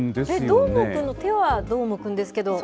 どーもくんの手はどーもくんですけども。